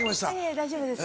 大丈夫です。